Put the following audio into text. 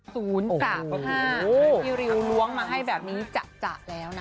พี่ริวล้วงมาให้แบบนี้จะแล้วนะ